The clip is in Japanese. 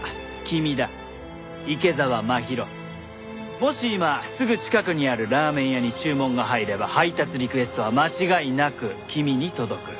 もし今すぐ近くにあるラーメン屋に注文が入れば配達リクエストは間違いなく君に届く。